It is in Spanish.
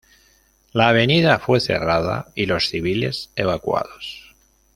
La avenida fue cerrada y los civiles evacuados.